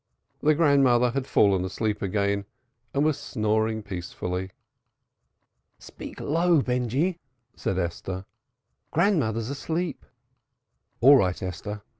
The grandmother had fallen asleep again and was snoring peacefully. "Speak low, Benjy," said Esther. "Grandmother's asleep." "All right, Esther.